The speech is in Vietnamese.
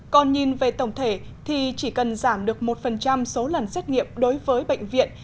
còn nhìn về tổng thể thì chỉ cần giảm được một số lần xét nghiệm đối với bệnh viện